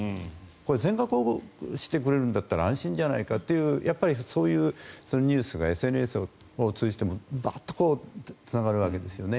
全額保護してくれるんだったら安心じゃないかというそういうニュースがＳＮＳを通じてもバッとつながるわけですよね。